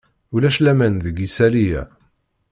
Ulac laman deg isalli-a.